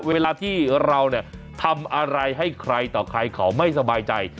เวลาที่เราเนี่ยทำอะไรให้ใครต่อใครเขาไม่สบายใจ